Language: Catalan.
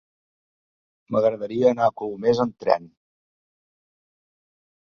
M'agradaria anar a Colomers amb tren.